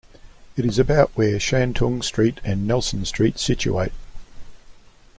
It is about where Shantung Street and Nelson Street situate.